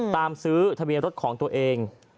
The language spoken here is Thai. ซื้อทะเบียนรถของตัวเอง